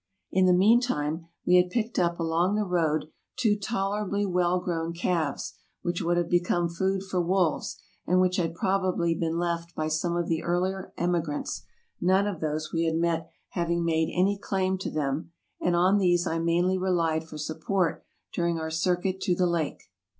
In the meantime we had picked up along the road two tolerably well grown calves, which would have become food for wolves, and which had prob ably been left by some of the earlier emigrants, none of those , VOL. VI. — 7 go 84 TRAVELERS AND EXPLORERS we had met having made any claim to them ; and on these I mainly relied for support during our circuit to the lake.